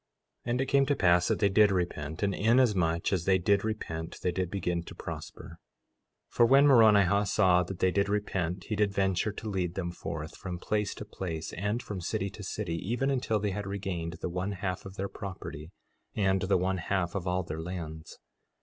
4:15 And it came to pass that they did repent, and inasmuch as they did repent they did begin to prosper. 4:16 For when Moronihah saw that they did repent he did venture to lead them forth from place to place, and from city to city, even until they had regained the one half of their property and the one half of all their lands.